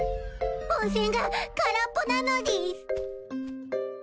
温泉が空っぽなのでぃす！